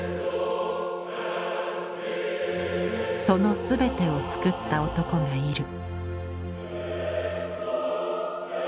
その全てを造った男がいる。